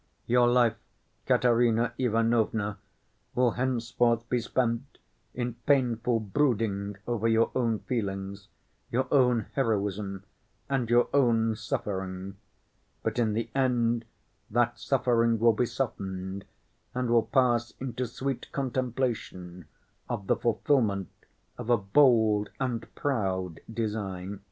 Your life, Katerina Ivanovna, will henceforth be spent in painful brooding over your own feelings, your own heroism, and your own suffering; but in the end that suffering will be softened and will pass into sweet contemplation of the fulfillment of a bold and proud design.